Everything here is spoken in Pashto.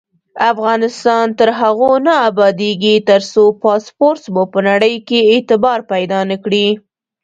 افغانستان تر هغو نه ابادیږي، ترڅو پاسپورت مو په نړۍ کې اعتبار پیدا نکړي.